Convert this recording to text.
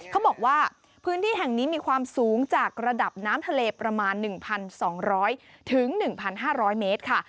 เขาบอกว่าพื้นที่แห่งนี้มีความสูงจากระดับน้ำทะเลประมาณ๑๒๐๐๑๕๐๐เมตรค่ะ